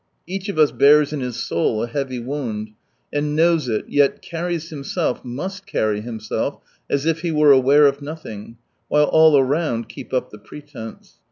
Each of us bears in his soul a heavy wound, and knows it, yet carries himself, must carry himself as if he were aware oi nothing, while all around keep up the pretence.